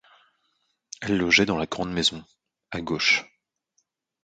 Elle logeait dans la grande maison, à gauche.